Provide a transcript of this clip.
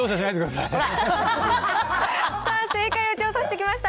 さあ、正解を調査してきました。